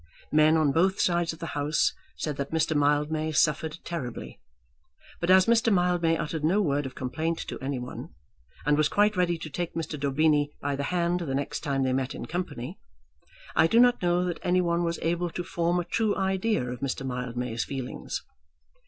Men on both sides of the House said that Mr. Mildmay suffered terribly; but as Mr. Mildmay uttered no word of complaint to any one, and was quite ready to take Mr. Daubeny by the hand the next time they met in company, I do not know that any one was able to form a true idea of Mr. Mildmay's feelings.